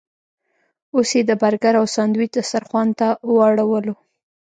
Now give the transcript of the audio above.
اوس یې د برګر او ساندویچ دسترخوان ته واړولو.